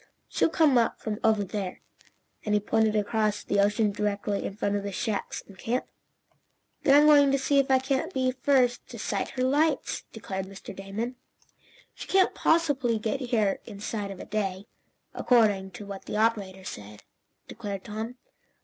"She'll come up from over there," and he pointed across the ocean directly in front of the shacks and camp. "Then I'm going to see if I can't be the first to sight her lights," declared Mr. Damon. "She can't possibly get here inside of a day, according to what the operator said," declared Tom.